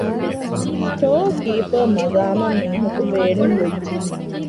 ސްޓޯރ ކީޕަރ މަޤާމަށް މީހަކު ބޭނުންވެއްްޖެ